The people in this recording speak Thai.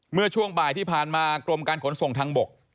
เมื่อช่วงบ่ายที่ผ่านมากรมการขนส่งทางบก